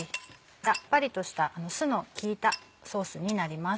サッパリとした酢の効いたソースになります。